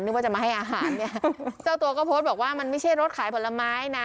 ว่าจะมาให้อาหารเนี่ยเจ้าตัวก็โพสต์บอกว่ามันไม่ใช่รถขายผลไม้นะ